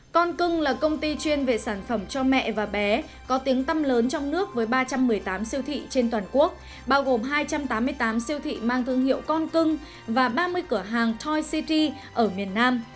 con cưng là công ty chuyên về sản phẩm cho mẹ và bé có tiếng tâm lớn trong nước với ba trăm một mươi tám siêu thị trên toàn quốc bao gồm hai trăm tám mươi tám siêu thị mang thương hiệu con cưng và ba mươi cửa hàng toy city ở miền nam